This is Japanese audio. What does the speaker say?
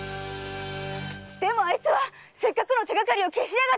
でもあいつはせっかくの手がかりを消しやがったんだ！